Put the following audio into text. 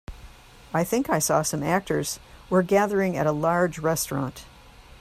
I think I saw some actors were gathering at a large restaurant.